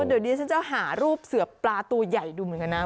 เดี๋ยวนี้ฉันจะหารูปเสือปลาตัวใหญ่ดูเหมือนกันนะ